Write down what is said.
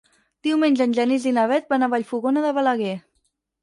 Diumenge en Genís i na Bet van a Vallfogona de Balaguer.